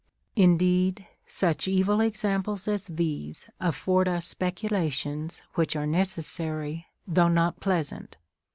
9. Indeed such cAdl examples as these afford ns specula tions which are necessary, though not pleasant.